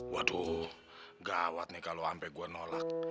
waduh gawat nih kalau sampai gue nolak